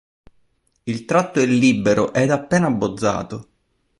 Il tratto è libero ed appena abbozzato.